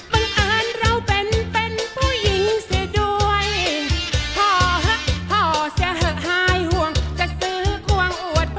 บังเอิญเราเป็นเป็นผู้หญิงเสียด้วยพ่อพ่อเสียเหอะหายห่วงจะซื้อควงอวดพ่อ